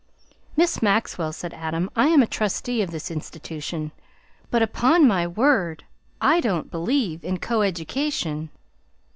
"Miss Maxwell," said Adam, "I am a trustee of this institution, but upon my word I don't believe in coeducation!"